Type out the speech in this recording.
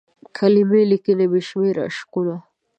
کلمې لیکي بې شمیر عشقونه